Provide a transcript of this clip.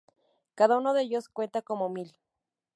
Cada uno de ellos cuenta como mil.